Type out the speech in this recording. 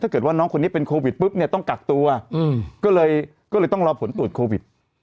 ถ้าเกิดว่าน้องคนนี้เป็นโควิดปุ๊บเนี่ยต้องกักตัวก็เลยต้องรอผลตรวจโควิด